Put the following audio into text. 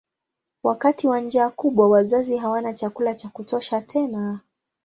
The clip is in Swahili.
Wakati wa njaa kubwa wazazi hawana chakula cha kutosha tena.